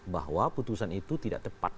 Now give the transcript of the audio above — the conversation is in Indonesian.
bahwa putusan itu tidak tepat